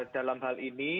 dalam hal ini